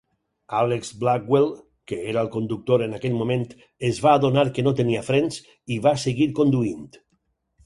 Alex Blackwell, que era el conductor en aquell moment, es va adonar que no tenia frens, i va seguir conduint.